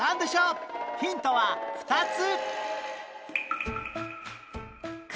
ヒントは２つ！